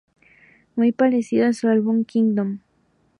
Muy parecido a su álbum "Kingdom".